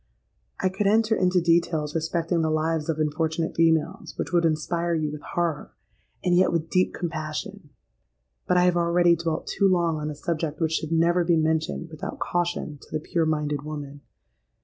"I could enter into details respecting the lives of unfortunate females, which would inspire you with horror—and yet with deep compassion. But I have already dwelt too long on a subject which should never be mentioned without caution to the pure minded woman.